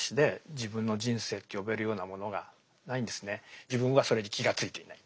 自分はそれに気が付いていない。